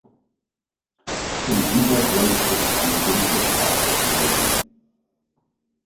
Im Hintergrund ist eine dunkle Straße zu sehen.